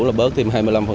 là bớt thêm hai mươi năm